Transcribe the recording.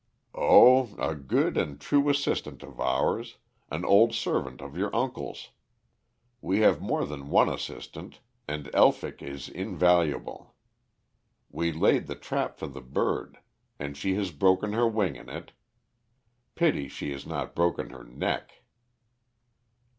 "Oh, a good and true assistant of ours, an old servant of your uncle's. We have more than one assistant, and Elphick is invaluable. We laid the trap for the bird, and she has broken her wing in it. Pity she had not broken her neck."